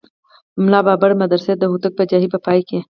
ملا بابړ مدرس د هوتکو پاچاهۍ په پای کې.